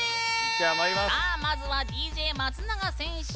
まずはＤＪ松永選手。